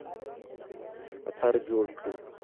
خطر جوړ کړي.